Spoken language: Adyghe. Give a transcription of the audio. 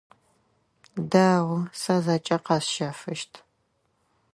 Дэгъу, сэ зэкӏэ къэсщэфыщт.